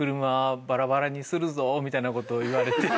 みたいな事を言われて。